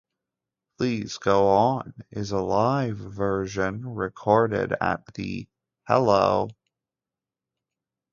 Please Go On" is a live version recorded at the "Hello!